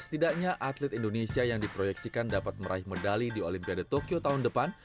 setidaknya atlet indonesia yang diproyeksikan dapat meraih medali di olimpiade tokyo tahun depan